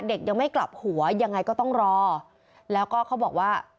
ยังไม่กลับหัวยังไงก็ต้องรอแล้วก็เขาบอกว่า